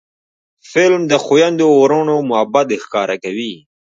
فلم د خویندو ورونو محبت ښکاره کوي